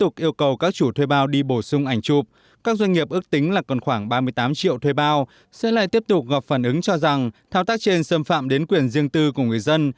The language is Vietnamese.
các doanh nghiệp ước tính là còn khoảng ba mươi tám triệu thuê bao sẽ lại tiếp tục gọp phản ứng cho rằng thao tác trên xâm phạm đến quyền riêng tư của người dân